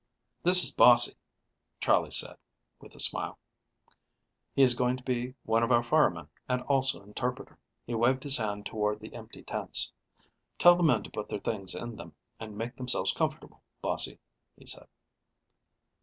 "This is Bossie," Charley said, with a smile. "He is going to be one of our firemen and also interpreter." He waved his hand toward the empty tents. "Tell the men to put their things in them and make themselves comfortable, Bossie," he said.